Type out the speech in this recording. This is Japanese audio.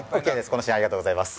このシーンありがとうございます。